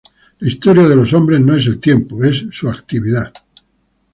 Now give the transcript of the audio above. La historia de los hombres no es el tiempo, es su actividad.